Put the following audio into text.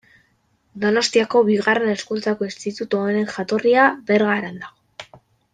Donostiako bigarren hezkuntzako institutu honen jatorria Bergaran dago.